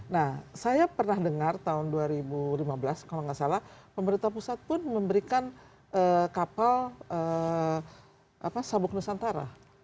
nah saya pernah dengar tahun dua ribu lima belas kalau nggak salah pemerintah pusat pun memberikan kapal sabuk nusantara